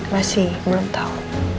masih belum tau